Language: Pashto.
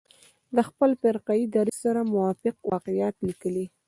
د خپل فرقه يي دریځ سره موافق واقعات لیکلي.